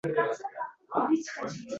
Ko’rmagaysan hech